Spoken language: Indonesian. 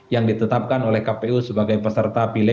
yang ditetapkan oleh kpu sebagai peserta pileg di dua ribu dua puluh empat